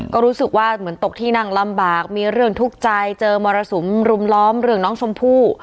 ก็รู้สึกว่าเหมือนตกที่นั่งลำบากมีเรื่องทุกข์ใจเจอมรสุมรุมล้อมเรื่องน้องชมพู่